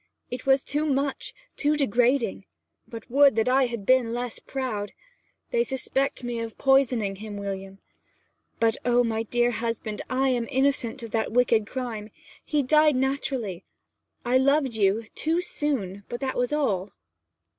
It was too much, too degrading. But would that I had been less proud! They suspect me of poisoning him, William! But, oh my dear husband, I am innocent of that wicked crime! He died naturally. I loved you too soon; but that was all!'